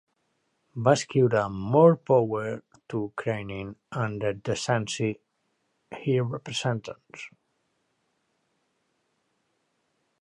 Va escriure "More power to Krainin and the decency he represents!"